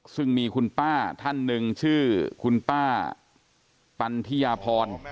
ซึ่งมีคุณป้าท่านหนึ่งชื่อคุณป้าปันทิยาพร